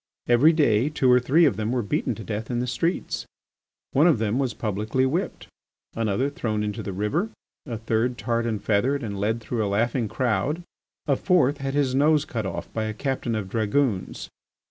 Every day two or three of them were beaten to death in the streets. One of them was publicly whipped, another thrown into the river, a third tarred and feathered and led through a laughing crowd, a fourth had his nose cut off by a captain of dragoons.